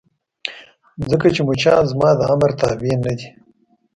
ځکه چې مچان زما د امر تابع نه دي.